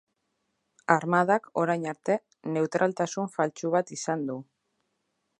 Armadak, orain arte, neutraltasun faltsu bat izan du.